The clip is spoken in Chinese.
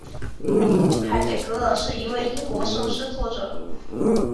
海弗格尔是一位英国圣诗作者。